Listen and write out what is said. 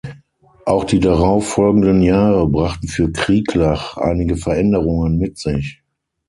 Auch die darauf folgenden Jahre brachten für Krieglach einige Veränderungen mit sich.